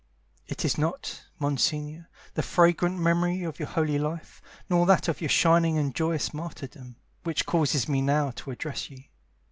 It is not, Monsignore, The fragrant memory of your holy life, Nor that of your shining and joyous martyrdom, Which causes me now to address you.